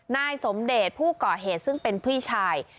นายสมเดชผู้ก่อเหตุซึ่งเป็นพี่ชาย